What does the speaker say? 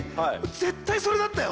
絶対それだったよ。